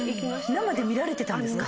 生で見られてたんですか。